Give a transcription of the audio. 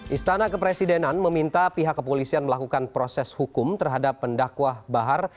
istana kepresidenan meminta pihak kepolisian melakukan proses hukum terhadap pendakwah bahar